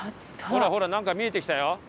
ほらほらなんか見えてきたよ。